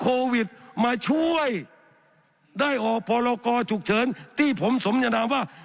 โควิดมาช่วยได้ออกพรกรฉุกเฉินที่ผมสมยนามว่า